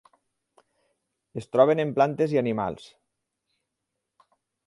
Es troben en plantes i animals.